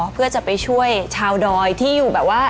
เพื่อจะไปช่วยชาวดอยที่อยู่แบบว่า